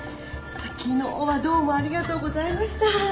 昨日はどうもありがとうございました。